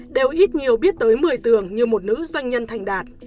đều ít nhiều biết tới mười tường như một nữ doanh nhân thành đạt